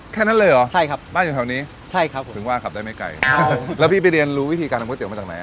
แค่นั้นเลยเหรอบ้านอยู่แถวนี้ถึงว่าขับได้ไม่ไกลแล้วพี่ไปเรียนรู้วิธีการทำก๋วยเตี๋ยวมาจากไหน